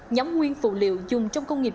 nhóm nguyên phụ liệu dùng trong công nghiệp